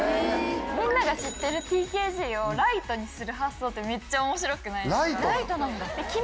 みんなが知ってるＴＫＧをライトにする発想ってめっちゃ面白くないですか？